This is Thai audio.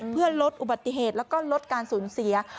เพื่อลดอุบัติเหตุแล้วก็ลดการสูญเสีย